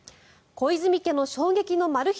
小泉家の衝撃のマル秘